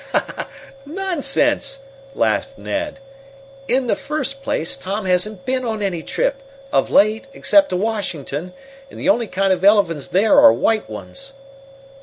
"Nonsense!" laughed Ned. "In the first place, Tom hasn't been on any trip, of late, except to Washington, and the only kind of elephants there are white ones."